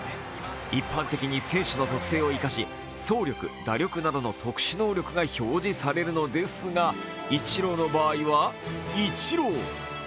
一般的に選手の特性を生かし走力・打力などの特殊能力が表示されるのですが、イチローの場合はイチロー！